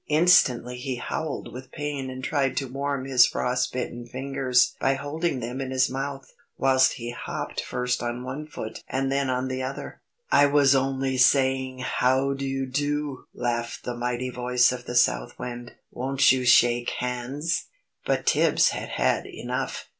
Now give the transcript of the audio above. Instantly he howled with pain and tried to warm his frost bitten fingers by holding them in his mouth, whilst he hopped first on one foot and then on the other. [Illustration: The South Wind.] "I was only saying 'How do you do!'" laughed the mighty voice of the South Wind. "Won't you shake hands?" But Tibbs had had enough.